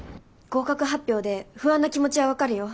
合格発表で不安な気持ちは分かるよ。